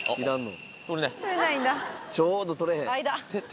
ちょうど取れへん。